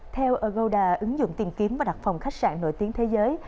theo agoda ứng dụng tiền kiếm và đặt phòng khách sạn nổi tiếng thế giới